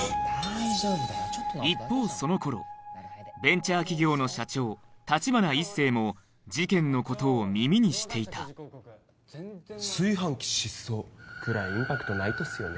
一方その頃ベンチャー企業の社長橘一星も事件のことを耳にしていた「炊飯器失踪」くらいインパクトないとっすよね。